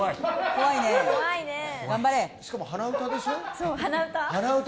しかも鼻歌でしょ。